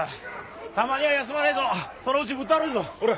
たまには休まねえとそのうちぶっ倒れるぞほら